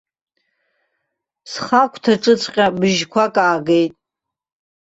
Схагәҭаҿыҵәҟьа быжьқәак аагеит.